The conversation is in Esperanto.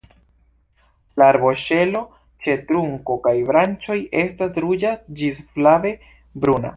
La arboŝelo ĉe trunko kaj branĉoj estas ruĝa ĝis flave bruna.